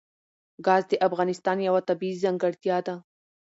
ګاز د افغانستان یوه طبیعي ځانګړتیا ده.